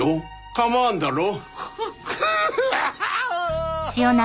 構わんだろ。